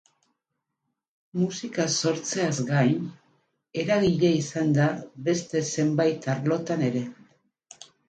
Musika sortzeaz gain, eragile izan da beste zenbait arlotan ere.